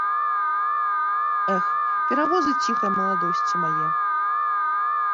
Эх, перавозы ціхае маладосці мае!